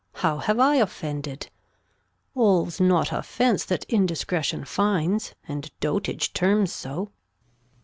How have I offended ? All's not Offence that Indiscretion finds. And Dotage terms so.